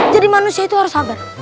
jadi manusia itu harus sabar